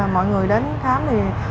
mọi người đến khám thì